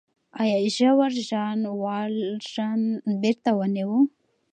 آیا ژاور ژان والژان بېرته ونیوه؟